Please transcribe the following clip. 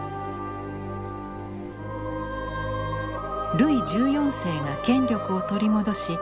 ルイ１４世が権力を取り戻し